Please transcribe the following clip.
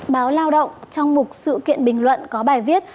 báo lao động trong một sự kiện bình luận có bài viết